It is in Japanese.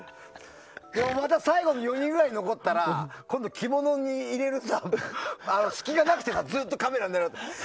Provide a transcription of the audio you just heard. また最後の４人ぐらいに残ったら今度は着物に入れる隙がなくてずっとカメラが狙ってるから。